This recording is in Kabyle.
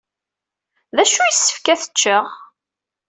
D acu ay yessefk ad t-cceɣ?